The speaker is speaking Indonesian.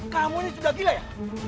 kamu ini sudah gila ya